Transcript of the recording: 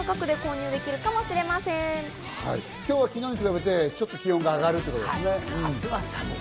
今日は昨日に比べて、ちょっと気温が上がるんですね。